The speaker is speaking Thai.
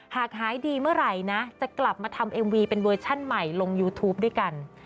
หายดีเมื่อไหร่นะจะกลับมาทำเอ็มวีเป็นเวอร์ชั่นใหม่ลงยูทูปด้วยกัน